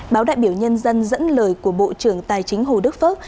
báo đại biểu nhân dân dẫn lời của bộ trưởng tài chính hồ đức phước